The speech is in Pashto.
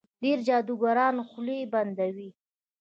ډېر جادوګران خولې بندوي.